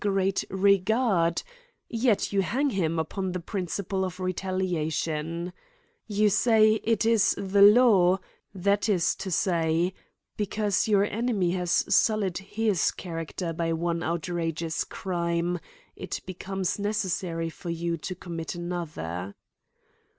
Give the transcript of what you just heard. at regard ; yet, you hang him upon the principle of retaliation — You say, it is the law : that is to say, because your enemy has sullied his character by one outrageous crime, it becomes necessary for you to commit another.